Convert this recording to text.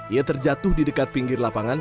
ia terjatuh di dekat pinggir lapangan